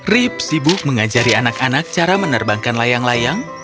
rip sibuk mengajari anak anak cara menerbangkan layang layang